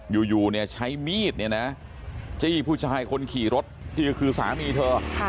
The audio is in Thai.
อยู่เนี่ยใช้มีดเนี่ยนะจี้ผู้ชายคนขี่รถที่ก็คือสามีเธอ